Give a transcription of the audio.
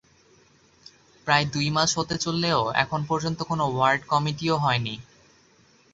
প্রায় দুই মাস হতে চললেও এখন পর্যন্ত কোনো ওয়ার্ড কমিটিও হয়নি।